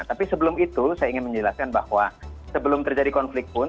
tapi sebelum itu saya ingin menjelaskan bahwa sebelum terjadi konflik pun